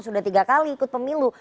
sudah tiga kali ikut pemilu